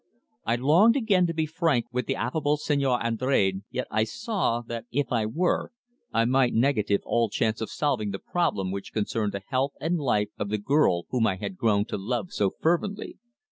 I longed again to be frank with the affable Señor Andrade, yet I saw that if I were I might negative all chance of solving the problem which concerned the health and life of the girl whom I had grown to love so fervently.